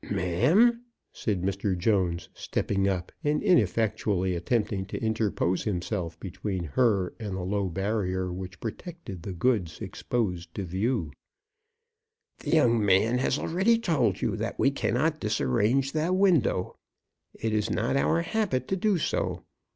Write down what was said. "Ma'am," said Mr. Jones, stepping up and ineffectually attempting to interpose himself between her and the low barrier which protected the goods exposed to view, "the young man has already told you that we cannot disarrange the window. It is not our habit to do so.